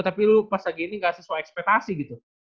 tapi lu pas lagi ini gak sesuai dengan orang yang jago gitu kan